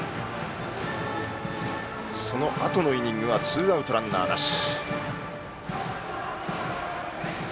そのあとのイニングはツーアウト、ランナーなし。